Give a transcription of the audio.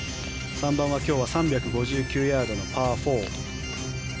３番は今日は３５９ヤードのパー